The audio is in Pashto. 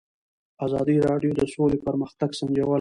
ازادي راډیو د سوله پرمختګ سنجولی.